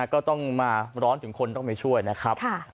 ก็ต้องมาร้อนถึงคนต้องไปช่วยนะครับ